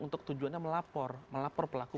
untuk tujuannya melapor melapor pelaku